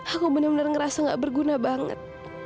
aku benar benar ngerasa gak berguna banget